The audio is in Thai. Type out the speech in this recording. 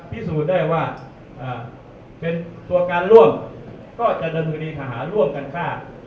พิสูจน์ได้ว่าเป็นตัวการร่วมก็จะดำเนินคดีฐานร่วมกันฆ่า